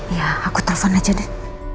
ya aku telpon aja deh